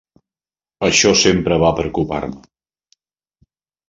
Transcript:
Això sempre va preocupar-me.